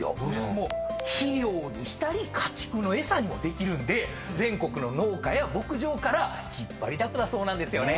肥料にしたり家畜の餌にもできるんで全国の農家や牧場から引っ張りだこだそうなんですよね。